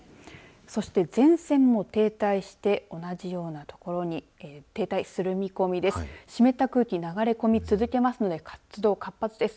そして、前線も停滞して同じような所に停滞する見込みです。